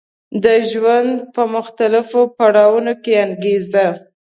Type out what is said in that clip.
د ژوند په مختلفو پړاوونو کې انګېزه